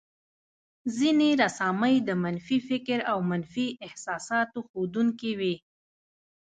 ځينې رسامۍ د منفي فکر او منفي احساساتو ښودونکې وې.